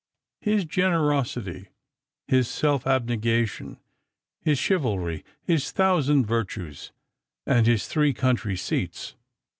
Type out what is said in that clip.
his generosity, his self abnegation, his chi valry, his thousand virtues, and his three country seats.